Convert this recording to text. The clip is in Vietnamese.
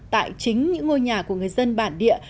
tại chính những ngôi nhà của người dân bản địa